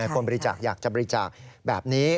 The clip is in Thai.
คนบริจาคอยากจะบริจาคแบบนี้